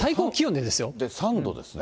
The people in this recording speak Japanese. ３度ですね。